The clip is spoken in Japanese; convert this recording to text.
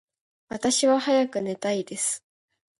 私は早く寝たいです。